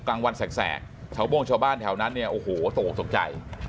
กลางวันแสกชาวโม่งชาวบ้านแถวนั้นเนี่ยโอ้โหตกตกใจ